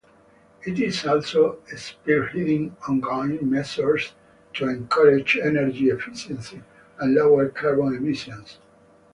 It is also spearheading ongoing measures to encourage energy efficiency and lower carbon emissions.